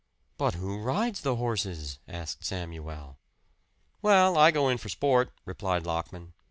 "But who rides the horses?" asked Samuel. "Well, I go in for sport," replied Lockman.